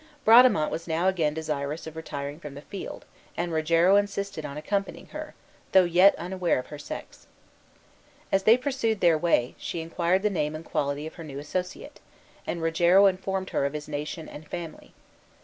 Bradamante was now again desirous of retiring from the field, and Rogero insisted on accompanying her, though yet unaware of her sex. As they pursued their way, she inquired the name and quality of her new associate; and Rogero informed her of his nation and family.